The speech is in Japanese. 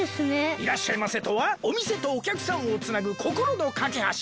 いらっしゃいませとはおみせとおきゃくさんをつなぐこころのかけはし。